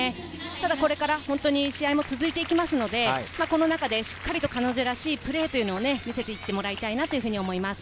これから試合も続いていきますので、この中でしっかり彼女らしいプレーを見せていってもらいたいと思います。